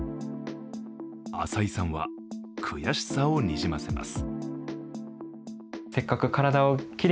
浅井さんは悔しさをにじませます。